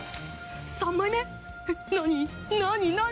何？